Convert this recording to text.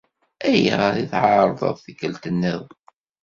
Ayɣer ur tɛerrḍeḍ tikkelt niḍen?